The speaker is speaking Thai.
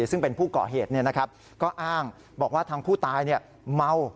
ซึ่งเป็นผู้ก่อเหตุเนี่ยนะครับก็อ้างบอกว่าทางผู้ตายเนี่ยเมา